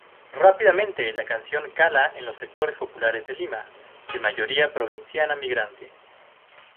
Rápidamente la canción cala en los sectores populares de Lima, de mayoría provinciana migrante.